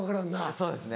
そうですね